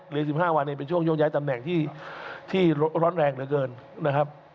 หรือสิบห้าวันเองเป็นช่วงโยกย้ายตำแหน่งที่ที่ร้อนแรงเหลือเกินนะครับ